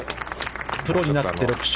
プロになって、６勝。